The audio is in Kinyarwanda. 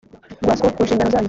rwasco ku nshingano zayo